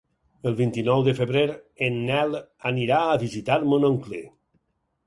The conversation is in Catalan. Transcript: El vint-i-nou de febrer en Nel anirà a visitar mon oncle.